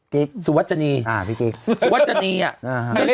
กิ๊กสุวรรษณีย์